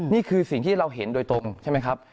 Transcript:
นี่คือสิ่งที่เราเห็นโดยตรงใช่ไหมครับ